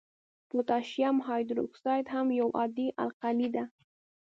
پوتاشیم هایدروکساید هم یو عادي القلي ده.